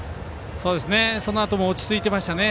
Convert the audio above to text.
そのあとも落ち着いていましたね。